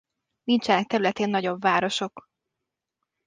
Nincsenek területén nagyobb városok.